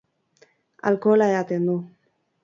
Alkohola edaten du.